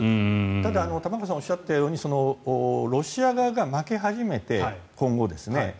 ただ、玉川さんがおっしゃったようにロシア側が負け始めて、今後。